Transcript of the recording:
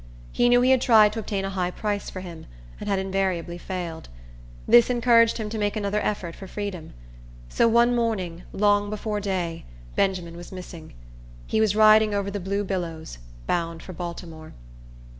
He knew he had tried to obtain a high price for him, and had invariably failed. This encouraged him to make another effort for freedom. So one morning, long before day, Benjamin was missing. He was riding over the blue billows, bound for Baltimore.